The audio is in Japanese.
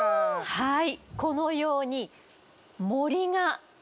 はい。